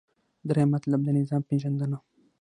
دریم مطلب : د نظام پیژندنه